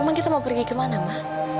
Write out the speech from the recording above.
emang kita mau pergi kemana ma